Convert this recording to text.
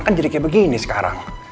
kan jadi kayak begini sekarang